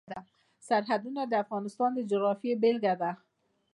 سرحدونه د افغانستان د جغرافیې بېلګه ده.